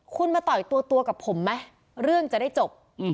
คุณมาต่อยตัวกับผมไหมเรื่องจะได้จบ